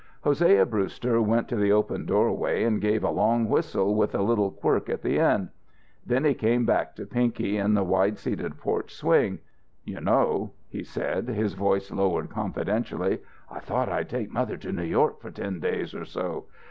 Hosea Brewster went to the open doorway and gave a long whistle with a little quirk at the end. Then he came back to Pinky in the wide seated porch swing. "You know," he said, his voice lowered confidentially, "I thought I'd take mother to New York for ten days or so.